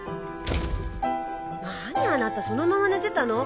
何あなたそのまま寝てたの？